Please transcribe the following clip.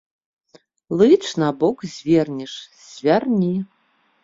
Лыч набок звернеш, звярні!